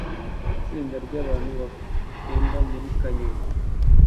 Itsinda ryabantu bagenda muri kanyoni